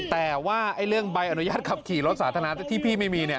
แต่ว่าเรื่องใบอนุญาตขับขี่รถสาธารณะที่พี่ไม่มีเนี่ย